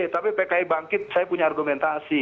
tapi pki bangkit saya punya argumentasi